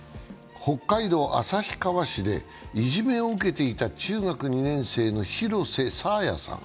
北海道旭川市でいじめを受けていた中学２年生の廣瀬爽彩さん。